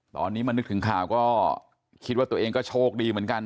ตอนนี้มานึกถึงข่าวก็คิดว่าตัวเองก็โชคดีเหมือนกัน